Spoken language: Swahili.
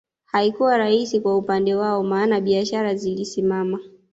Haikuwa rahisi kwa upande wao maana biashara zilisimama